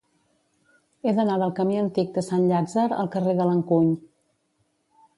He d'anar del camí Antic de Sant Llàtzer al carrer de l'Encuny.